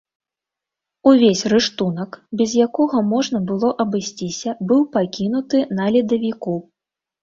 Увесь рыштунак, без якога можна было абысціся, быў пакінуты на ледавіку.